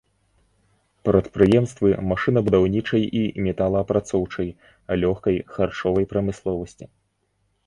Прадпрыемствы машынабудаўнічай і металаапрацоўчай, лёгкай, харчовай прамысловасці.